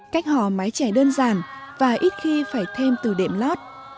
cách hò mái chè đơn giản và ít khi phải thêm từ điểm lót